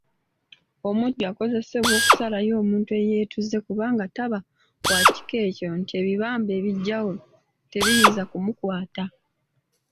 Omujjwa akozesebwa okusalayo omuntu eyeetuze kubanga taba wa kika ekyo nti ebibamba ebigyawo tebiyinza kumukwata.